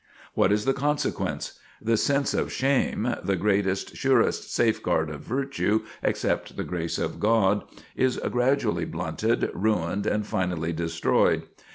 "What is the consequence? The sense of shame the greatest, surest safeguard of virtue, except the grace of God is gradually blunted, ruined, and finally destroyed.